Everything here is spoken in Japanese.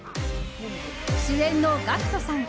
主演のＧＡＣＫＴさん